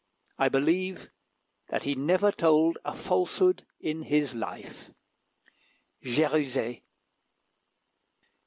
I believe that he never told a falsehood in his life." GERUZEZ.